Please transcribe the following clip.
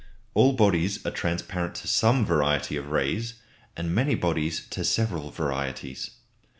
All bodies are transparent to some variety of rays, and many bodies to several varieties.